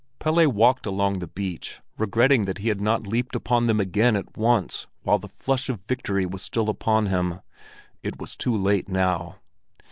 Pelle walked along the beach, regretting that he had not leaped upon them again at once while the flush of victory was still upon him: it was too late now.